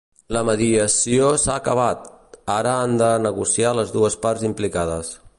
La mediació s’ha acabat, ara han de negociar les dues parts implicades.